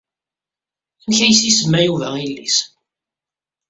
Amek ay as-isemma Yuba i yelli-s?